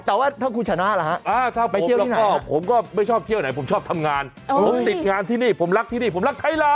แต่ว่าถ้าคุณชนะเหรอฮะถ้าไปเที่ยวแล้วก็ผมก็ไม่ชอบเที่ยวไหนผมชอบทำงานผมติดงานที่นี่ผมรักที่นี่ผมรักไทยเรา